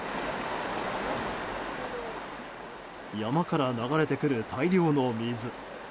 山から流れてくる大量の水。